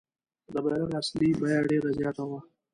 د بیرغ اصلي بیه ډېره زیاته وه.